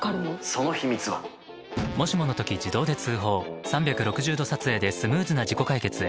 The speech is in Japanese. そのヒミツは３６０°撮影でスムーズな事故解決へそれが「プレドラ」